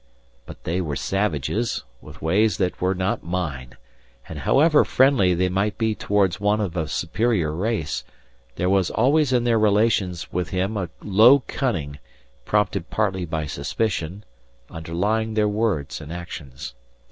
But they were savages, with ways that were not mine; and however friendly they might be towards one of a superior race, there was always in their relations with him a low cunning, prompted partly by suspicion, underlying their words and actions.